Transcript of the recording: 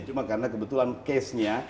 cuma karena kebetulan case nya